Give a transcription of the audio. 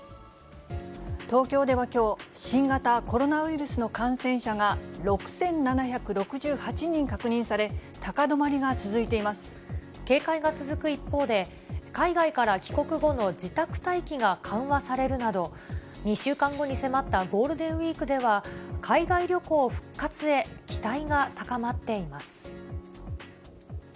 東京ではきょう、新型コロナウイルスの感染者が６７６８人確認され、高止まりが警戒が続く一方で、海外から帰国後の自宅待機が緩和されるなど、２週間後に迫ったゴールデンウィークでは、海外旅行復活へ、期待が高まっています。